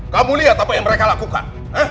kamu lihat apa yang mereka lakukan